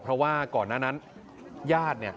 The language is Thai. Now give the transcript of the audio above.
เพราะว่าก่อนนั้นญาติเนี่ย